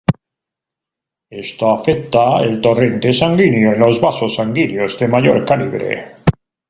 Esta afecta el torrente sanguíneo en los vasos sanguíneos de mayor calibre.